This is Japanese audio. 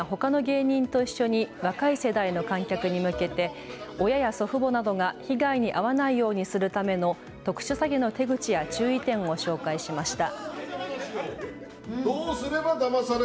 警察官やほかの芸人と一緒に若い世代の観客に向けて親や祖父母などが被害に遭わないようにするための特殊詐欺の手口や注意点を紹介しました。